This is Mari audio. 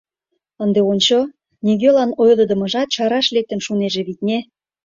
Ынде, ончо, нигӧлан ойлыдымыжат чараш лектын шунеже, витне...